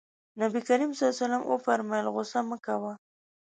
نبي کريم ص وفرمايل غوسه مه کوه.